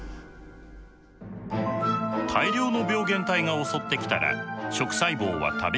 大量の病原体が襲ってきたら食細胞は食べきれません。